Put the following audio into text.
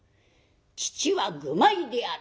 父は愚昧である。